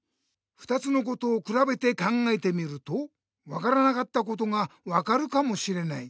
２つのことをくらべて考えてみると分からなかったことが分かるかもしれない。